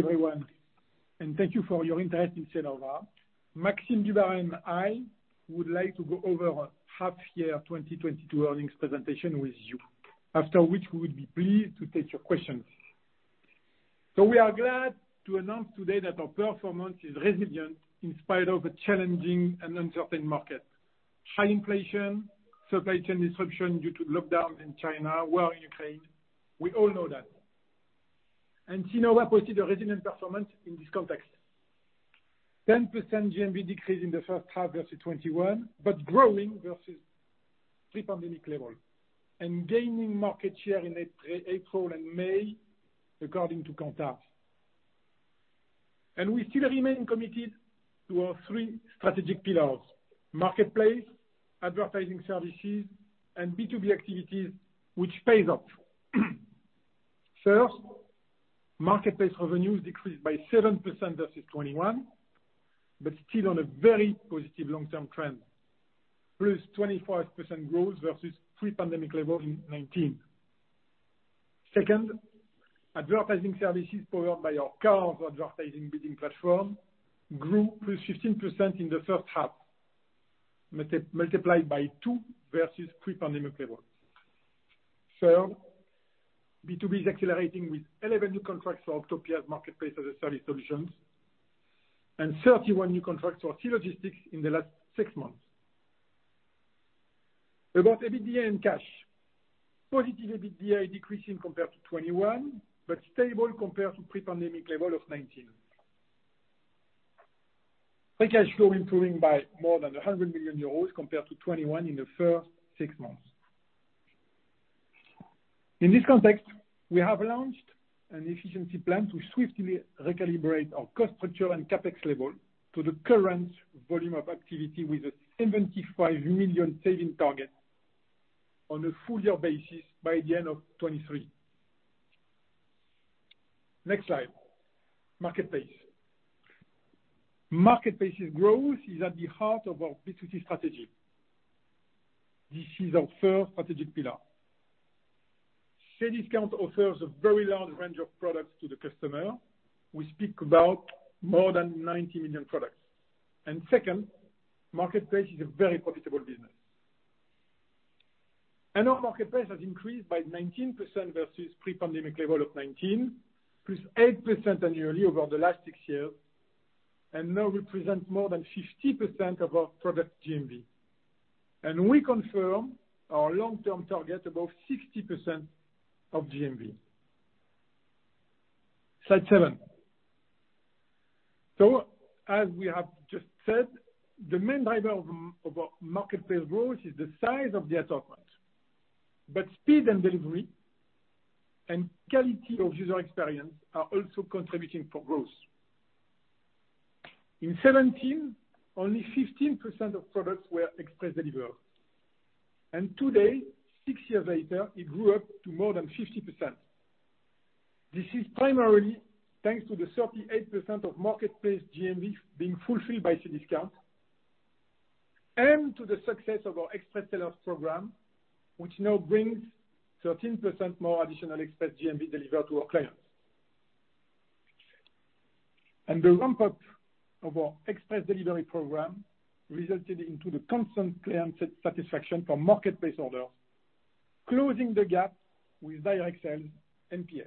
Hello everyone, and thank you for your interest in Cnova. Maxime Dubarry and I would like to go over our half-year 2022 earnings presentation with you, after which we would be pleased to take your questions. We are glad to announce today that our performance is resilient in spite of a challenging and uncertain market. High inflation, supply chain disruption due to lockdown in China, war in Ukraine. We all know that. Cnova posted a resilient performance in this context. 10% GMV decrease in the first half versus 2021, but growing versus pre-pandemic level, and gaining market share in April and May, according to Kantar. We still remain committed to our three strategic pillars, Marketplace, advertising services, and B2B activities which pays off. First, Marketplace revenues decreased by 7% versus 2021, but still on a very positive long-term trend, +25% growth versus pre-pandemic level in 2019. Second, advertising services powered by our CARS advertising bidding platform grew +15% in the first half, multiplied by two versus pre-pandemic level. Third, B2B is accelerating with 11 new contracts for Octopia Marketplace-as-a-Service solutions, and 31 new contracts for C-Logistics in the last six months. About EBITDA and cash. Positive EBITDA decreasing compared to 2021, but stable compared to pre-pandemic level of 2019. Free cash flow improving by more than 100 million euros compared to 2021 in the first six months. In this context, we have launched an efficiency plan to swiftly recalibrate our cost structure and CapEx level to the current volume of activity with a 75 million saving target on a full-year basis by the end of 2023. Next slide. Marketplace. Marketplace's growth is at the heart of our B2C strategy. This is our first strategic pillar. Cdiscount offers a very large range of products to the customer. We speak about more than 90 million products. Second, Marketplace is a very profitable business. Our Marketplace has increased by 19% versus pre-pandemic level of 2019, +8% annually over the last 6 years, and now represents more than 50% of our product GMV. We confirm our long-term target above 60% of GMV. Slide seven, as we have just said, the main driver of our Marketplace growth is the size of the assortment, but speed and delivery and quality of user experience are also contributing for growth. In 2017, only 15% of products were express delivered, and today, six years later, it grew up to more than 50%. This is primarily thanks to the 38% of Marketplace GMV being fulfilled by Cdiscount and to the success of our express sellers program, which now brings 13% more additional express GMV delivered to our clients. The ramp up of our express delivery program resulted into the constant client satisfaction for Marketplace orders, closing the gap with direct sell NPS.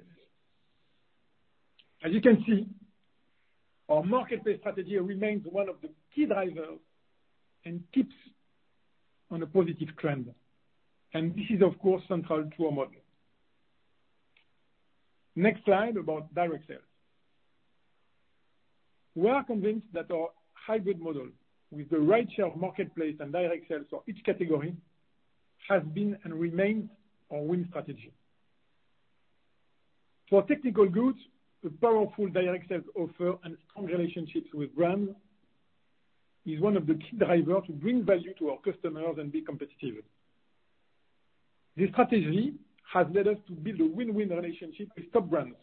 As you can see, our Marketplace strategy remains one of the key drivers and keeps on a positive trend. This is of course, central to our model. Next slide, about direct sales. We are convinced that our hybrid model with the right share of Marketplace and direct sales for each category has been and remains our winning strategy. For technical goods, the powerful direct sales offer and strong relationships with brands is one of the key drivers to bring value to our customers and be competitive. This strategy has led us to build a win-win relationship with top brands,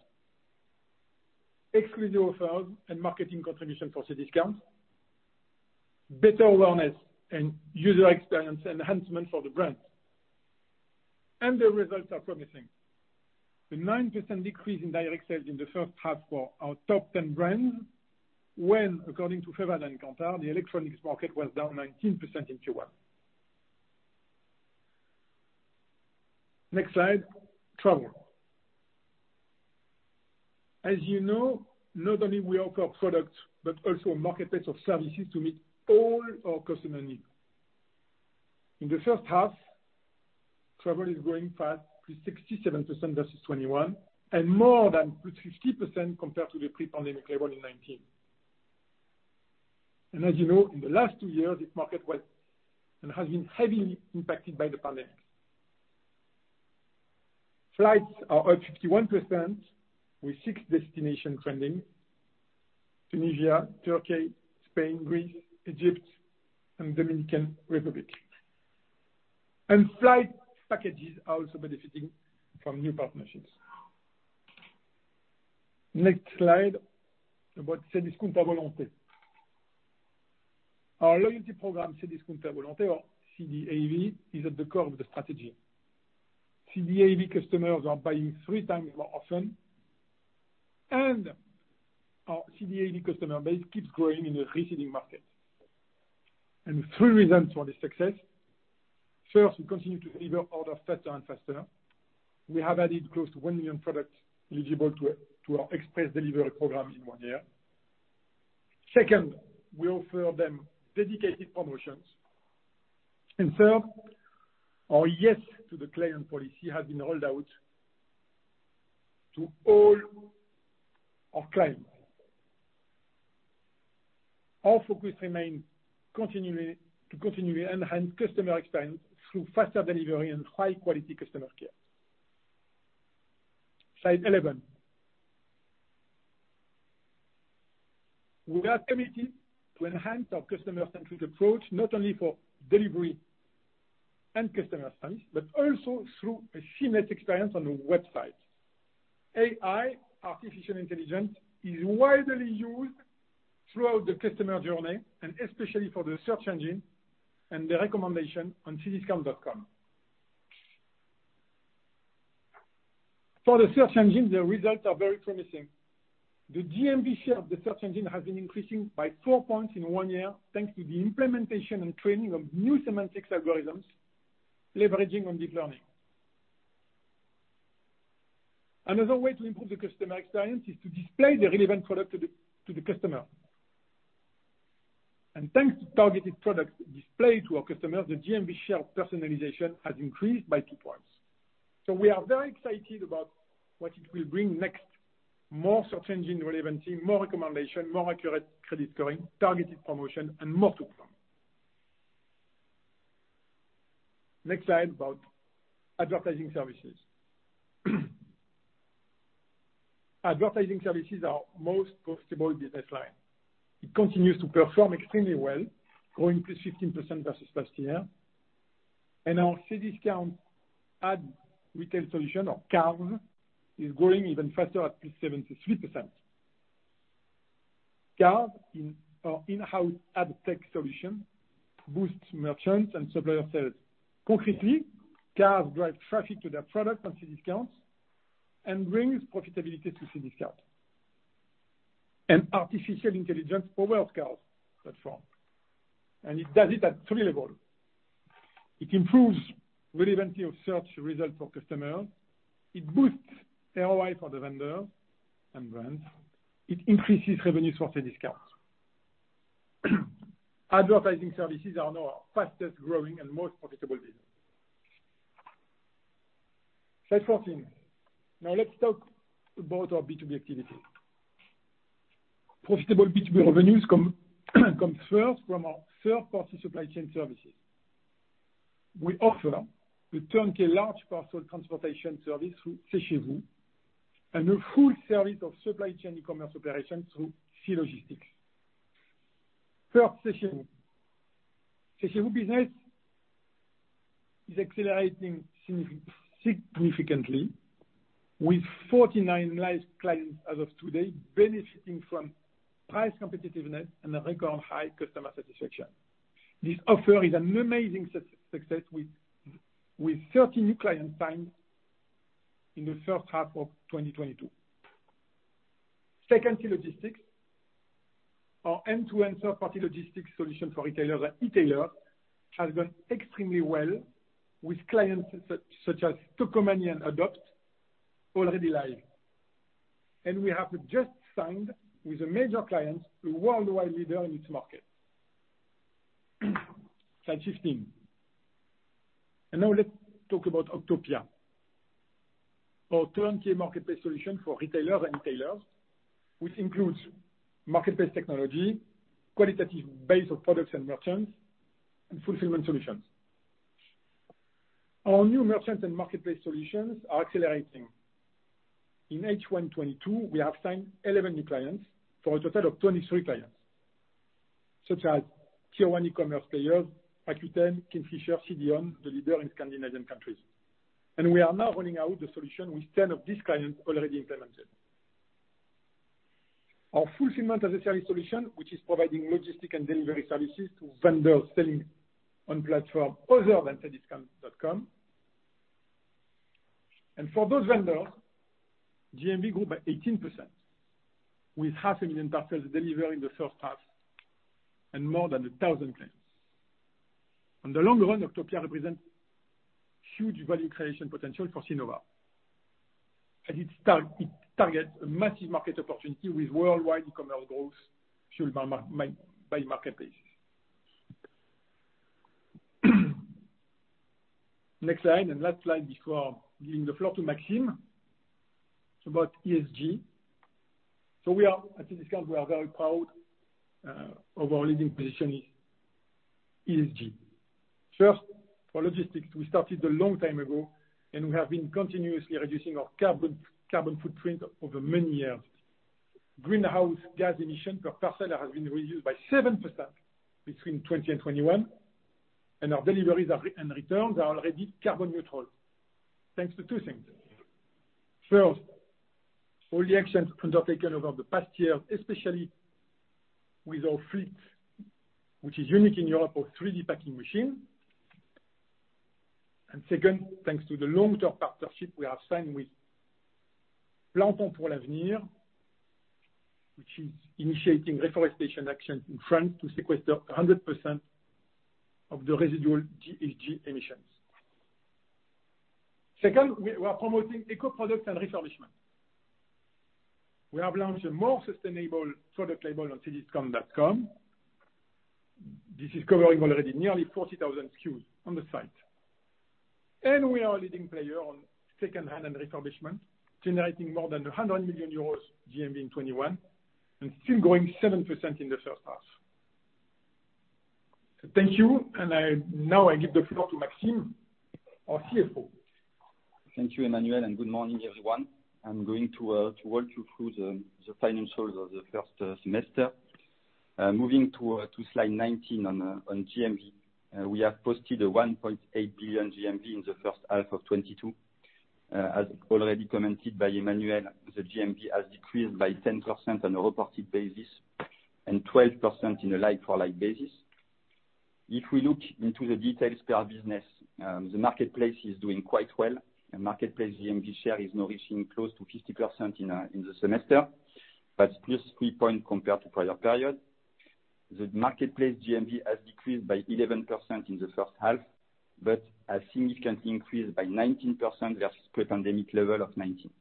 exclusive offers, and marketing contribution for Cdiscount, better awareness, and user experience enhancement for the brands. The results are promising. The 9% decrease in direct sales in the first half was for our top 10 brands, when, according to Fevad and Kantar, the electronics market was down 19% in Q1. Next slide, travel. As you know, not only we offer products, but also a Marketplace of services to meet all our customers' needs. In the first half, travel is growing fast, +67% versus 2021, and more than +50% compared to the pre-pandemic level in 2019. As you know, in the last two years, this market was, and has been heavily impacted by the pandemic. Flights are up 51% with 6 destinations trending: Tunisia, Turkey, Spain, Greece, Egypt, and Dominican Republic. Flight packages are also benefiting from new partnerships. Next slide, about Cdiscount à Volonté. Our loyalty program, Cdiscount à Volonté, CDAV, is at the core of the strategy. CDAV customers are buying 3 times more often, and our CDAV customer base keeps growing in a receding market. Three reasons for this success. First, we continue to deliver order faster and faster. We have added close to 1 million products eligible to our express delivery program in one year. Second, we offer them dedicated promotions. Third, our yes to the client policy has been rolled out to all our clients. Our focus remain continuing, to continue and enhance customer experience through faster delivery and high-quality customer care. Slide 11. We are committed to enhance our customer-centric approach, not only for delivery and customer service, but also through a seamless experience on the website. AI, artificial intelligence, is widely used throughout the customer journey and especially for the search engine and the recommendation on cdiscount.com. For the search engine, the results are very promising. The GMV share of the search engine has been increasing by 4 points in 1 year, thanks to the implementation and training of new semantics algorithms, leveraging on deep learning. Another way to improve the customer experience is to display the relevant product to the customer. Thanks to targeted products displayed to our customers, the GMV share personalization has increased by 2 points. We are very excited about what it will bring next. More search engine relevancy, more recommendation, more accurate credit scoring, targeted promotion, and more to come. Next slide about advertising services. Advertising services are most profitable business line. It continues to perform extremely well, growing +15% versus last year. Our Cdiscount Ads Retail Solution, or CARS, is growing even faster at +73%. CARS, our in-house ad tech solution, boosts merchants and supplier sales. Concretely, CARS drives traffic to their product on Cdiscount and brings profitability to Cdiscount. Artificial intelligence powers CARS platform, and it does it at three levels. It improves relevancy of search results for customers. It boosts ROI for the vendor and brands. It increases revenues for Cdiscount. Advertising services are now our fastest-growing and most profitable business. Slide 14. Now let's talk about our B2B activity. Profitable B2B revenues come first from our third-party supply chain services. We offer the turnkey large parcel transportation service through C Chez Vous, and a full service of supply chain e-commerce operations through C-Logistics. First, C Chez Vous. C Chez Vous business is accelerating significantly with 49 live clients as of today, benefiting from price competitiveness and a record high customer satisfaction. This offer is an amazing success with 30 new clients signed in the first half of 2022. Second, C-Logistics. Our end-to-end third-party logistics solution for retailers and e-tailer has done extremely well with clients such as Toquedemanie and Adopt already live. We have just signed with a major client, a worldwide leader in its market. Slide 15. Now let's talk about Octopia, our turnkey Marketplace solution for retailers and e-tailers, which includes Marketplace technology, qualitative base of products and merchants, and fulfillment solutions. Our new merchants and Marketplace solutions are accelerating. In H1 2022, we have signed 11 new clients for a total of 23 clients, such as tier one e-commerce players like The Hut Group, Kingfisher, CDON, the leader in Scandinavian countries. We are now rolling out the solution with 10 of these clients already implemented. Our fulfillment-as-a-service solution, which is providing logistics and delivery services to vendors selling on platform other than Cdiscount.com. For those vendors, GMV grew by 18%, with 500,000 parcels delivered in the first half and more than 1,000 clients. In the long run, Octopia represents huge value creation potential for Cnova, and it targets a massive market opportunity with worldwide e-commerce growth fueled by Marketplaces. Next slide and last slide before giving the floor to Maxime. It's about ESG. We are at Cdiscount very proud of our leading position in ESG. First, for logistics, we started a long time ago, and we have been continuously reducing our carbon footprint over many years. Greenhouse gas emission per parcel has been reduced by 7% between 2020 and 2021, and our deliveries and returns are already carbon neutral. Thanks to two things. First, all the actions undertaken over the past year, especially with our fleet, which is unique in Europe of three packing machine. Second, thanks to the long-term partnership we have signed with Plantons pour l'avenir, which is initiating reforestation action in France to sequester 100% of the residual GHG emissions. Second, we are promoting eco-products and refurbishment. We have launched a more sustainable product label on cdiscount.com. This is covering already nearly 40,000 SKUs on the site. We are a leading player on secondhand and refurbishment, generating more than 100 million euros GMV in 2021, and still growing 7% in the first half. Thank you. Now I give the floor to Maxime, our CFO. Thank you, Emmanuel, and good morning, everyone. I'm going to walk you through the financials of the first semester. Moving to slide 19 on GMV, we have posted 1.8 billion GMV in the first half of 2022. As already commented by Emmanuel, the GMV has decreased by 10% on a reported basis and 12% on a like-for-like basis. If we look into the details per business, the Marketplace is doing quite well. The Marketplace GMV share is now reaching close to 50% in the semester, but +3 points compared to prior period. The Marketplace GMV has decreased by 11% in the first half, but has significantly increased by 19% versus pre-pandemic level of 2019.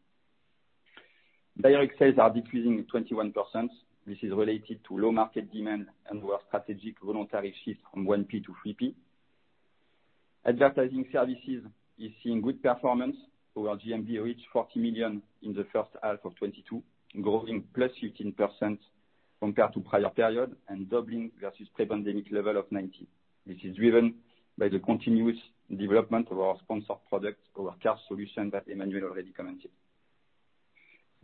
Direct sales are decreasing 21%. This is related to low market demand and our strategic voluntary shift from 1P to 3P. Advertising services is seeing good performance. Our GMV reached 40 million in the first half of 2022, growing +15% compared to prior period and doubling versus pre-pandemic level of 19. This is driven by the continuous development of our sponsored products or our CARS solution that Emmanuel already commented.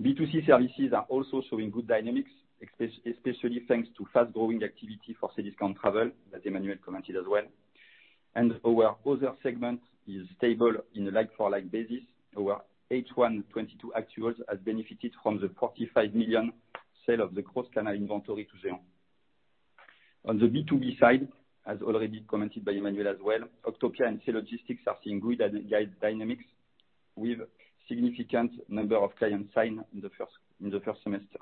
B2C services are also showing good dynamics, especially thanks to fast-growing activity for Cdiscount Voyages that Emmanuel commented as well. Our other segment is stable in a like-for-like basis. Our H1 2022 actuals has benefited from the 45 million sale of the cross-canal inventory to Géant. On the B2B side, as already commented by Emmanuel as well, Octopia and C-Logistics are seeing good dynamics with significant number of clients signed in the first semester.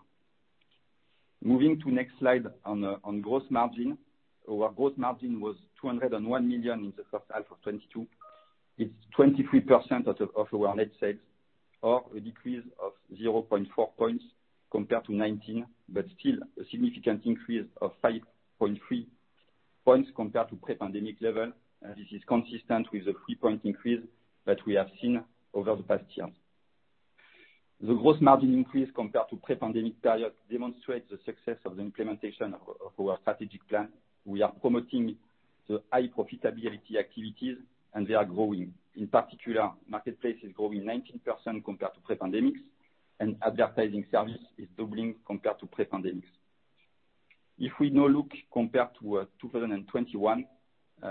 Moving to next slide on gross margin. Our gross margin was 201 million in the first half of 2022. It's 23% of our net sales, or a decrease of 0.4 points compared to 2019, but still a significant increase of 5.3 points compared to pre-pandemic level. This is consistent with the 3-point increase that we have seen over the past year. The gross margin increase compared to pre-pandemic period demonstrates the success of the implementation of our strategic plan. We are promoting the high-profitability activities, and they are growing. In particular, Marketplace is growing 19% compared to pre-pandemic, and advertising service is doubling compared to pre-pandemic. If we now look compared to 2021,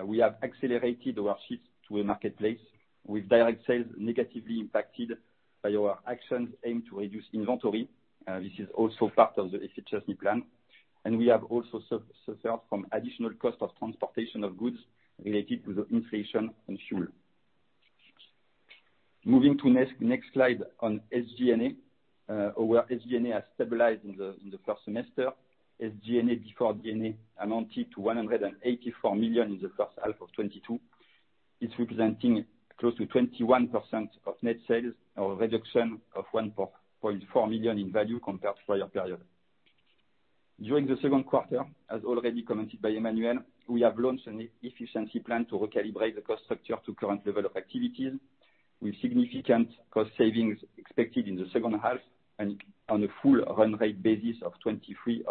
we have accelerated our shift to a Marketplace, with direct sales negatively impacted by our actions aimed to reduce inventory. This is also part of the efficiency plan. We have also suffered from additional cost of transportation of goods related to the inflation on fuel. Moving to next slide on SG&A. Our SG&A has stabilized in the first semester. SG&A before G&A amounted to 184 million in the first half of 2022. It's representing close to 21% of net sales or a reduction of 1.4 million in value compared to prior period. During the second quarter, as already commented by Emmanuel, we have launched an efficiency plan to recalibrate the cost structure to current level of activities, with significant cost savings expected in the second half and on a full run rate basis of 23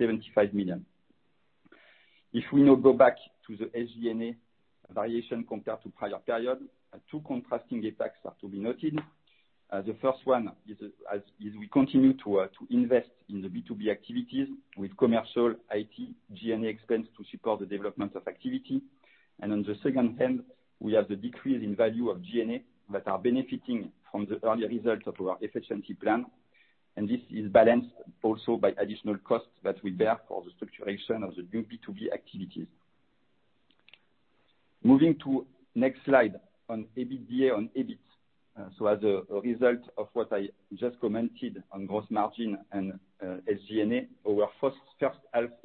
million-75 million. If we now go back to the SG&A variation compared to prior period, two contrasting effects are to be noted. The first one is we continue to invest in the B2B activities with commercial, IT, G&A expense to support the development of activity. On the other hand, we have the decrease in level of G&A that are benefiting from the earlier results of our efficiency plan. This is balanced also by additional costs that we bear for the structuring of the new B2B activities. Moving to next slide on EBITDA and EBIT. As a result of what I just commented on gross margin and SG&A, our first half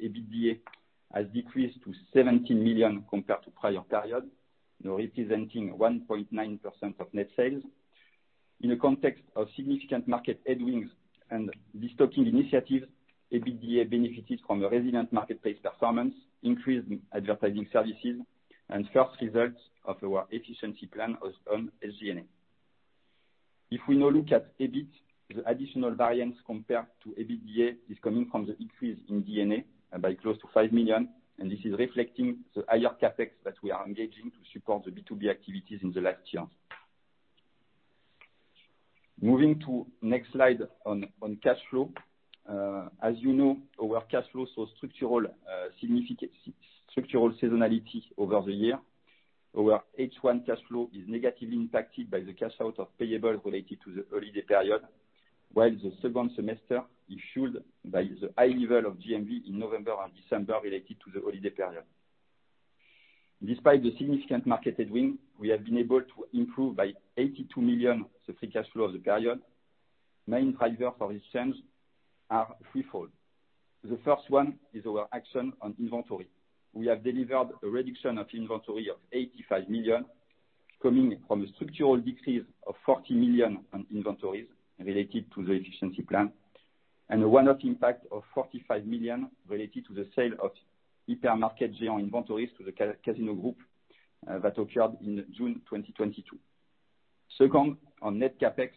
EBITDA has decreased to 17 million compared to prior period. Now representing 1.9% of net sales. In the context of significant market headwinds and destocking initiatives, EBITDA benefited from a resilient Marketplace performance, increased advertising services, and first results of our efficiency plan on SG&A. If we now look at EBIT, the additional variance compared to EBITDA is coming from the increase in G&A by close to 5 million, and this is reflecting the higher CapEx that we are engaging to support the B2B activities in the last year. Moving to next slide on cash flow. As you know, our cash flow saw structural seasonality over the year. Our H1 cash flow is negatively impacted by the cash outflows for payables related to the holiday period, while the second semester is fueled by the high level of GMV in November and December related to the holiday period. Despite the significant market headwind, we have been able to improve by 82 million the free cash flow of the period. Main drivers for this change are threefold. The first one is our action on inventory. We have delivered a reduction of inventory of 85 million, coming from a structural decrease of 40 million on inventories related to the efficiency plan, and a one-off impact of 45 million related to the sale of hypermarket Géant inventories to the Casino Group that occurred in June 2022. Second, on net CapEx,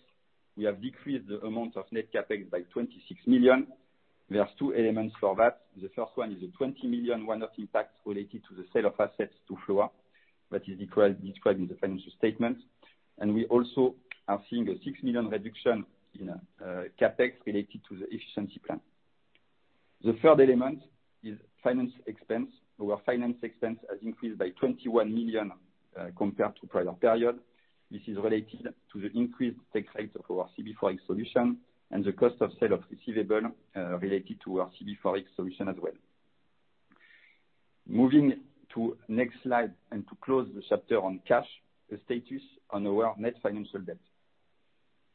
we have decreased the amount of net CapEx by 26 million. There are two elements for that. The first one is a 20 million one-off impact related to the sale of assets to Floa, that is described in the financial statement. We also are seeing a 6 million reduction in CapEx related to the efficiency plan. The third element is finance expense. Our finance expense has increased by 21 million compared to prior period. This is related to the increased tax rate of our CB4X solution and the cost of sale of receivable related to our CB4X solution as well. Moving to next slide, to close the chapter on cash, the status on our net financial debt.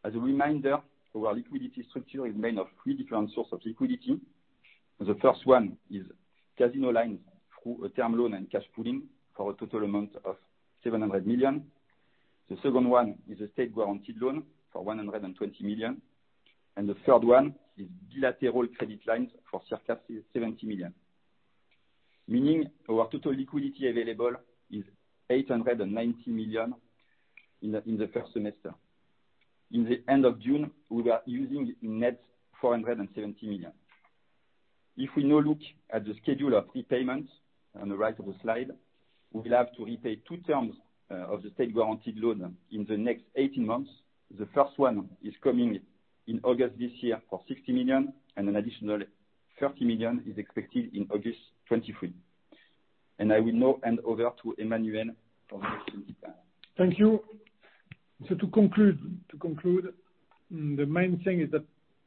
As a reminder, our liquidity structure is made of three different sources of liquidity. The first one is Casino line through a term loan and cash pooling for a total amount of 700 million. The second one is a state-guaranteed loan for 120 million, and the third one is bilateral credit lines for circa 70 million. Meaning our total liquidity available is 890 million in the first semester. At the end of June, we were using net 470 million. If we now look at the schedule of repayments on the right of the slide, we will have to repay two terms of the state-guaranteed loan in the next eighteen months. The first one is coming in August this year for 60 million, and an additional 30 million is expected in August 2023. I will now hand over to Emmanuel for the next slide. Thank you. To conclude, the main thing is that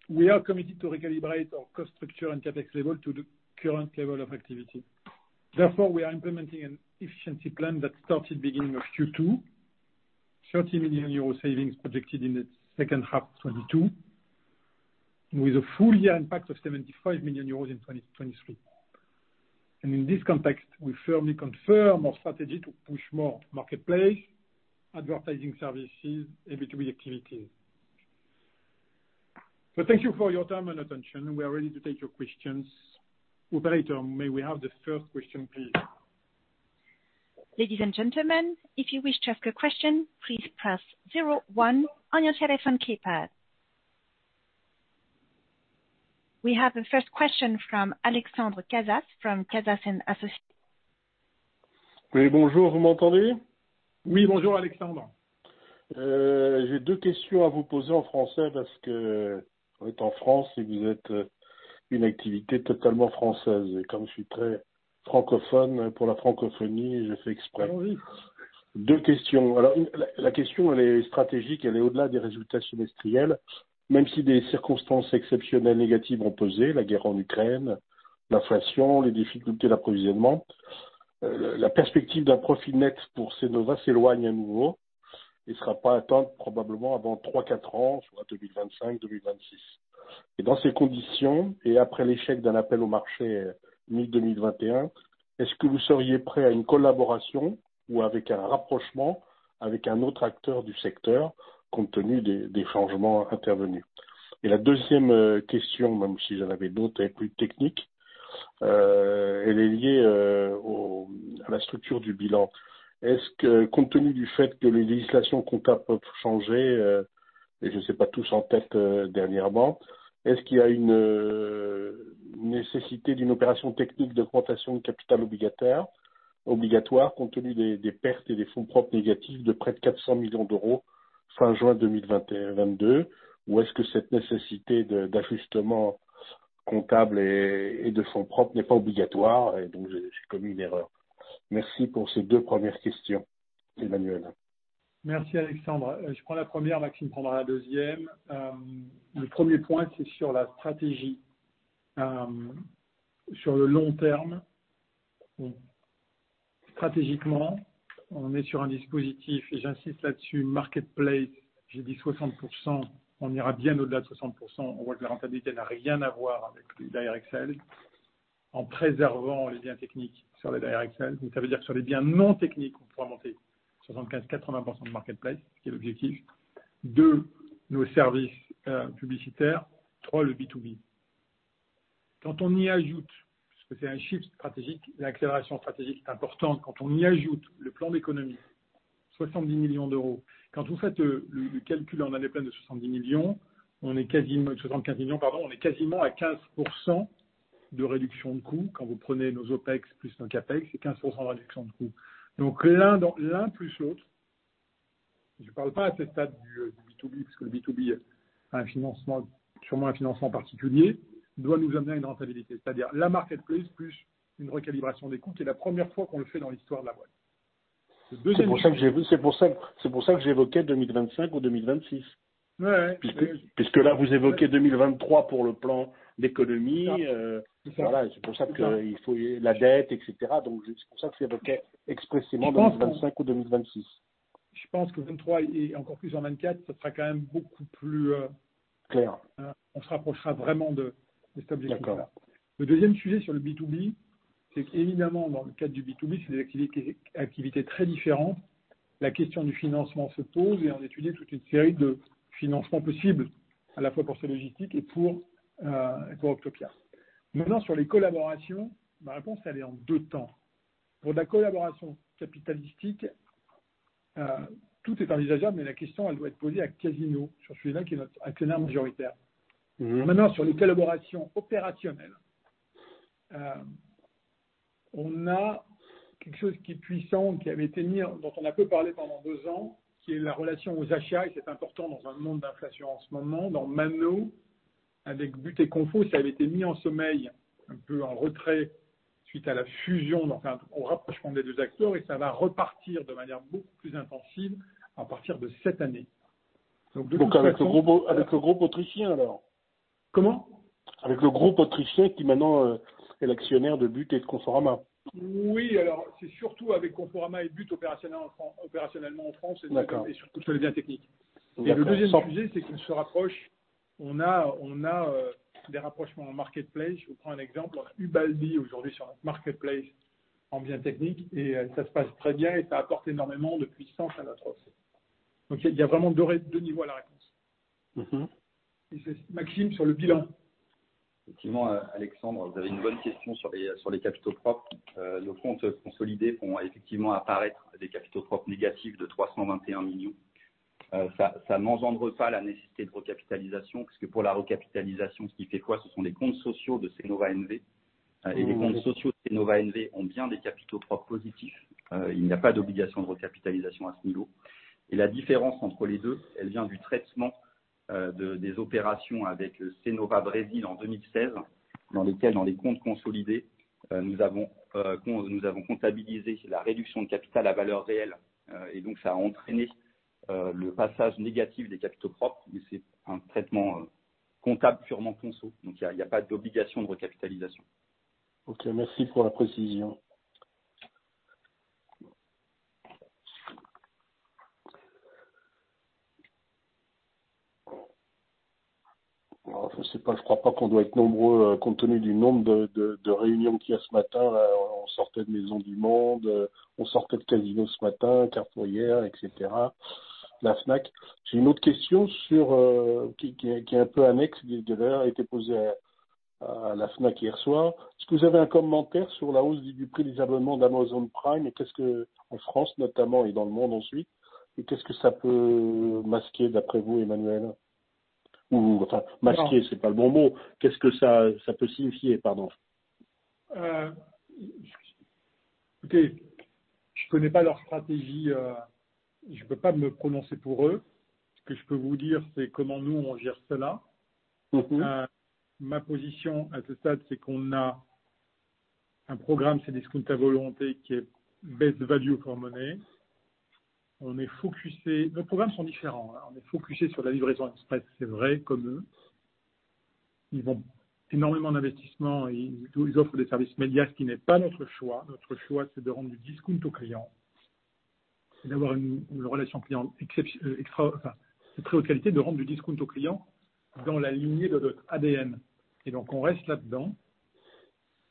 we are committed to recalibrate our cost structure and CapEx level to the current level of activity. Therefore, we are implementing an efficiency plan that started beginning of Q2. 30 million euro savings projected in the second half 2022, with a full year impact of 75 million euros in 2023. In this context, we firmly confirm our strategy to push more Marketplace, advertising services, B2B activities. Thank you for your time and attention. We are ready to take your questions. Operator, may we have the first question, please? Ladies and gentlemen, if you wish to ask a question, please press zero one on your telephone keypad. We have the first question from Alejandro Casas from Casas & Associates. Oui, bonjour, vous m'entendez? Oui, bonjour Alejandro. J'ai deux questions à vous poser en français parce que on est en France et vous êtes une activité totalement française. Comme je suis très francophone pour la Francophonie, je fais exprès. Oui. Deux questions. La question, elle est stratégique, elle est au-delà des résultats semestriels. Même si des circonstances exceptionnelles négatives ont pesé, la guerre en Ukraine, l'inflation, les difficultés d'approvisionnement, la perspective d'un profit net pour Cnova s'éloigne à nouveau et sera pas atteinte probablement avant 3, 4 ans, soit 2025, 2026. Dans ces conditions, et après l'échec d'un appel au marché mi-2021, est-ce que vous seriez prêt à une collaboration ou avec un rapprochement avec un autre acteur du secteur compte tenu des changements intervenus? La deuxième question, même si j'en avais d'autres, est plus technique. Elle est liée à la structure du bilan. Est-ce que compte tenu du fait que les législations comptables peuvent changer, et je les ai pas tous en tête dernièrement, est-ce qu'il y a une nécessité d'une opération technique d'augmentation de capital obligatoire compte tenu des pertes et des fonds propres négatifs de près de 400 million fin juin 2021-22? Ou est-ce que cette nécessité d'ajustement comptable et de fonds propres n'est pas obligatoire et donc j'ai commis une erreur? Merci pour ces deux premières questions, Emmanuel. Merci Alejandro. Je prends la première, Maxime prendra la deuxième. Le premier point, c'est sur la stratégie. Sur le long terme, bon, stratégiquement, on est sur un dispositif et j'insiste là-dessus, Marketplace, j'ai dit 60%, on ira bien au-delà de 60%. On voit que la rentabilité n'a rien à voir avec le direct sell. En préservant les biens techniques sur le direct sell, donc ça veut dire sur les biens non techniques, on pourra monter 75%-80% de Marketplace, ce qui est l'objectif. 2, nos services publicitaires. 3, le B2B. Quand on y ajoute, parce que c'est un shift stratégique, l'accélération stratégique est importante. Quand on y ajoute le plan d'économie, 70 million. Quand vous faites le calcul en années pleines de 70 million, on est soixante-quinze millions pardon, on est quasiment à 15% de réduction de coûts. Quand vous prenez nos OPEX plus nos CapEx, c'est 15% de réduction de coûts. L'un plus l'autre. Je ne parle pas à ce stade du B2B, parce que le B2B a un financement, sûrement un financement particulier, doit nous amener à une rentabilité, c'est-à-dire la Marketplace plus une recalibration des coûts. C'est la première fois qu'on le fait dans l'histoire de la boîte. C'est pour ça que j'évoquais 2025 ou 2026. Puisque là, vous évoquez 2023 pour le plan d'économie. C'est pour ça qu'il faut la dette, etc. C'est pour ça que j'évoquais expressément 2025 ou 2026. Je pense que 2023 et encore plus en 2024, ça sera quand même beaucoup plus clair. On se rapprochera vraiment des objectifs. Le deuxième sujet sur le B2B, c'est qu'évidemment, dans le cadre du B2B, c'est une activité très différente. La question du financement se pose et on étudie toute une série de financements possibles à la fois pour ces logistiques et pour Octopia. Maintenant, sur les collaborations, ma réponse, elle est en deux temps. Pour de la collaboration capitalistique, tout est envisageable, mais la question, elle doit être posée à Casino, je suis celui-là qui est notre actionnaire majoritaire. Maintenant, sur les collaborations opérationnelles, on a quelque chose qui est puissant, dont on a peu parlé pendant deux ans, qui est la relation aux achats. C'est important dans un monde d'inflation en ce moment, dans ManoMano, avec But et Conforama, ça avait été mis en sommeil, un peu en retrait suite à la fusion, enfin au rapprochement des deux acteurs. Ça va repartir de manière beaucoup plus intensive à partir de cette année. Avec le groupe autrichien alors? Comment? Avec le groupe autrichien qui maintenant est l'actionnaire de But et de Conforama. Oui, alors c'est surtout avec Conforama et But, opérationnellement en France et surtout sur le bien technique. Le deuxième sujet, c'est qu'on se rapproche. On a des rapprochements en Marketplace. Je vous prends un exemple. On a Ubaldi aujourd'hui sur notre Marketplace en bien technique et ça se passe très bien et ça apporte énormément de puissance à notre offre. Il y a vraiment deux niveaux à la réponse. Maxime sur le bilan. Effectivement, Alejandro, vous avez une bonne question sur les capitaux propres. Nos comptes consolidés font effectivement apparaître des capitaux propres négatifs de 321 million. Ça n'engendre pas la nécessité de recapitalisation, puisque pour la recapitalisation, ce qui fait quoi, ce sont les comptes sociaux de Cnova N.V. Et les comptes sociaux de Cnova N.V. ont bien des capitaux propres positifs. Il n'y a pas d'obligation de recapitalisation à ce niveau. Et la différence entre les deux, elle vient du traitement des opérations avec Cnova Brésil en 2016, dans lesquelles, dans les comptes consolidés, nous avons comptabilisé la réduction de capital à valeur réelle et donc ça a entraîné le passage négatif des capitaux propres. Mais c'est un traitement comptable purement conso, donc il n'y a pas d'obligation de recapitalisation. OK, merci pour la précision. Je ne sais pas. Je ne crois pas qu'on doit être nombreux compte tenu du nombre de réunions qu'il y a ce matin. On sortait de Maisons du Monde, on sortait de Casino ce matin, Carrefour hier, etc. La Fnac Darty. J'ai une autre question sur... Qui est un peu annexe. D'ailleurs, elle a été posée à la Fnac Darty hier soir. Est-ce que vous avez un commentaire sur la hausse du prix des abonnements d'Amazon Prime? Et qu'est-ce que, en France notamment et dans le monde ensuite, et qu'est-ce que ça peut masquer d'après vous, Emmanuel? Ou enfin masquer, ce n'est pas le bon mot. Qu'est-ce que ça peut signifier? Pardon. Écoutez, je ne connais pas leur stratégie. Je ne peux pas me prononcer pour eux. Ce que je peux vous dire, c'est comment nous, on gère cela. Ma position à ce stade, c'est qu'on a un programme, c'est Cdiscount à volonté, qui est best value for money. On est focusés. Nos programmes sont différents. On est focusés sur la livraison express, c'est vrai, comme eux. Ils ont énormément d'investissements et ils offrent des services médias, ce qui n'est pas notre choix. Notre choix, c'est de rendre du discount au client, c'est d'avoir une relation client de très haute qualité, de rendre du discount au client dans la lignée de notre ADN. On reste là-dedans.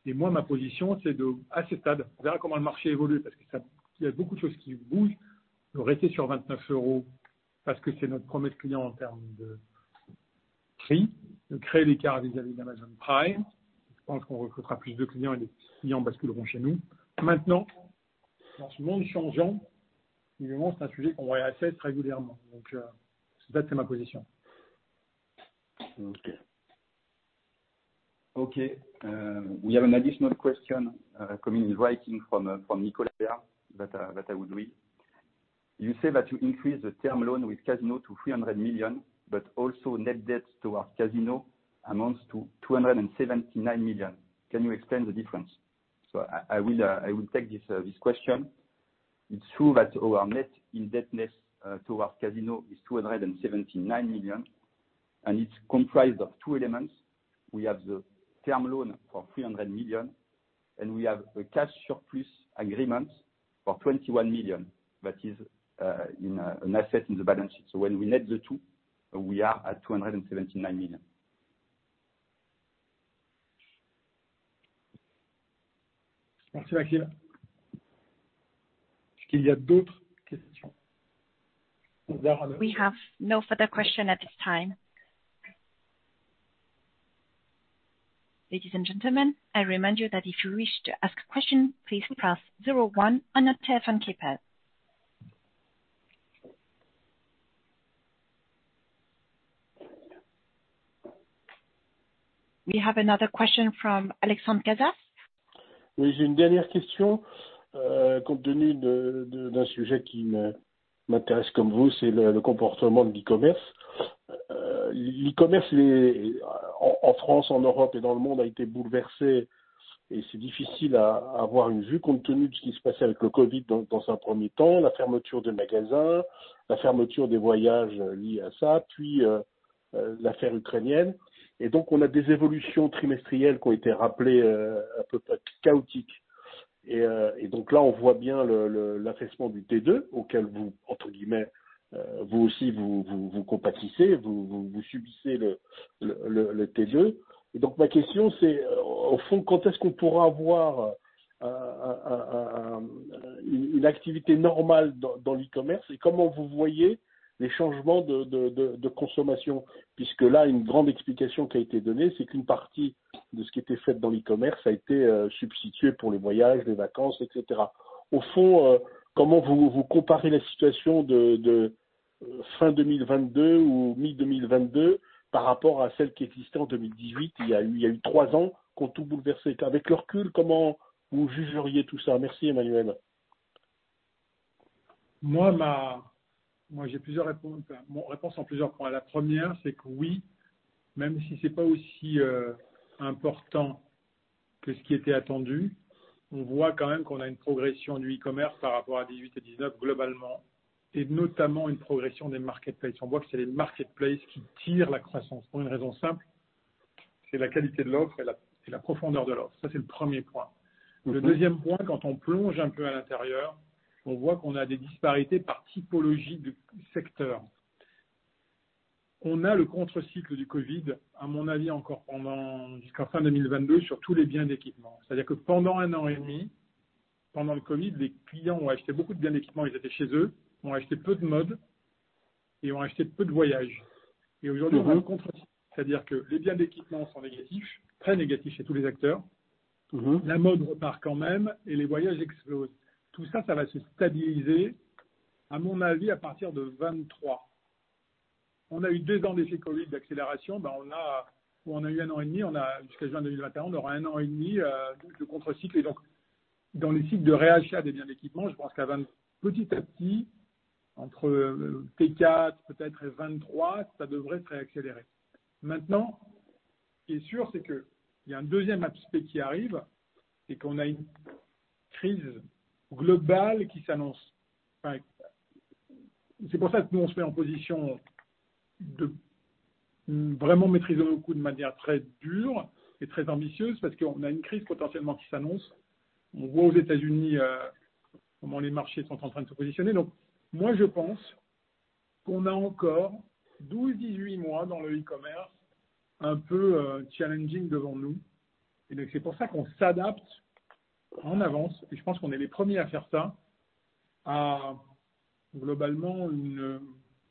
Moi, ma position, c'est de, à ce stade, on verra comment le marché évolue parce qu'il y a beaucoup de choses qui bougent, de rester sur 29 euros parce que c'est notre promesse client en termes de prix, de créer l'écart vis-à-vis d'Amazon Prime. Je pense qu'on recrutera plus de clients et les clients basculeront chez nous. Maintenant, dans ce monde changeant, évidemment, c'est un sujet qu'on réévalue régulièrement. Donc ça, c'est ma position. OK. OK. We have an additional question coming in writing from Nicolas that I would read. You say that you increase the term loan with Casino to 300 million, but also net debt towards Casino amounts to 279 million. Can you explain the difference? I will take this question. It's true that our net indebtedness towards Casino is 279 million and it's comprised of two elements. We have the term loan for 300 million and we have a cash surplus agreement for 21 million that is an asset in the balance sheet. When we net the two, we are at 279 million. Merci, Maxime. Est-ce qu'il y a d'autres questions? We have no further question at this time. Ladies and gentlemen, I remind you that if you wish to ask a question, please press zero one on your telephone keypad. We have another question from Alejandro Casas. Oui, j'ai une dernière question, compte tenu d'un sujet qui m'intéresse comme vous, c'est le comportement de l'e-commerce. L'e-commerce, il est en France, en Europe et dans le monde, a été bouleversé et c'est difficile à avoir une vue compte tenu de ce qui se passait avec le COVID dans un premier temps, la fermeture des magasins, la fermeture des voyages liés à ça, puis l'affaire ukrainienne. On a des évolutions trimestrielles qui ont été rappelées, un peu chaotiques. Là, on voit bien l'affaissement du T2 auquel vous, entre guillemets, vous aussi, vous compatissez, vous subissez le T2. Ma question, c'est au fond, quand est-ce qu'on pourra avoir une activité normale dans l'e-commerce? Comment vous voyez les changements de consommation? Puisque là, une grande explication qui a été donnée, c'est qu'une partie de ce qui était faite dans l'e-commerce a été substituée pour les voyages, les vacances, etc. Au fond, comment vous comparez la situation de fin 2022 ou mi 2022 par rapport à celle qui existait en 2018? Il y a eu trois ans qu'on tout bouleversé. Avec le recul, comment vous jugeriez tout ça? Merci Emmanuel. Moi, j'ai plusieurs réponses, enfin, réponse en plusieurs points. La première, c'est que oui, même si c'est pas aussi important que ce qui était attendu, on voit quand même qu'on a une progression du e-commerce par rapport à 18 et 19 globalement, et notamment une progression des Marketplaces. On voit que c'est les Marketplaces qui tirent la croissance pour une raison simple, c'est la qualité de l'offre et la profondeur de l'offre. Ça, c'est le premier point. Le deuxième point, quand on plonge un peu à l'intérieur, on voit qu'on a des disparités par typologie de secteurs. On a le contre-cycle du COVID, à mon avis, encore pendant jusqu'en fin 2022, sur tous les biens d'équipement. C'est-à-dire que pendant 1 an et demi, pendant le COVID, les clients ont acheté beaucoup de biens d'équipement, ils étaient chez eux, ont acheté peu de mode et ont acheté peu de voyages. Aujourd'hui, on a le contre-cycle. C'est-à-dire que les biens d'équipement sont négatifs, très négatifs chez tous les acteurs. La mode repart quand même et les voyages explosent. Tout ça va se stabiliser, à mon avis, à partir de 2023. On a eu 2 ans d'effet COVID, d'accélération. Ben, on a eu 1 an et demi jusqu'à juin 2021, on aura 1 an et demi de contre-cycle. Donc, dans les cycles de réachat des biens d'équipement, je pense qu'à petit à petit, entre T4 peut-être et 2023, ça devrait se réaccélérer. Maintenant, ce qui est sûr, c'est qu'il y a un deuxième aspect qui arrive, c'est qu'on a une crise globale qui s'annonce. Enfin, c'est pour ça que nous, on se met en position de vraiment maîtriser nos coûts de manière très dure et très ambitieuse, parce qu'on a une crise potentiellement qui s'annonce. On voit aux États-Unis, comment les marchés sont en train de se positionner. Donc moi, je pense qu'on a encore 12-18 mois dans le e-commerce un peu challenging devant nous. Donc c'est pour ça qu'on s'adapte en avance et je pense qu'on est les premiers à faire ça, à globalement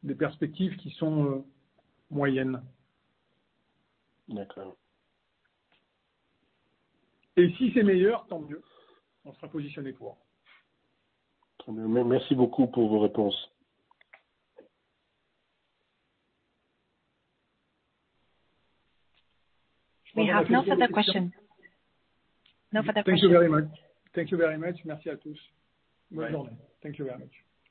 des perspectives qui sont moyennes. D'accord. Si c'est meilleur, tant mieux, on sera positionné pour. Merci beaucoup pour vos réponses. We have no further question. No further question. Thank you very much. Merci à tous. Bonne journée. Thank you very much.